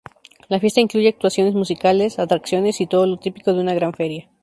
La fiesta incluye actuaciones musicales, atracciones y todo lo típico de una gran feria.